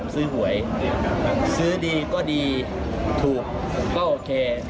ซื้อหวยซื้อดีก็ดีถูกก็โอเค